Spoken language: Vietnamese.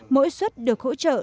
mỗi suất được hỗ trợ